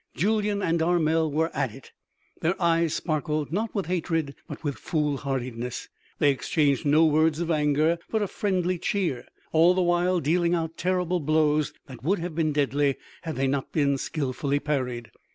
Julyan and Armel were at it. Their eyes sparkled, not with hatred but with foolhardiness. They exchanged no words of anger but of friendly cheer, all the while dealing out terrible blows that would have been deadly had they not been skillfully parried.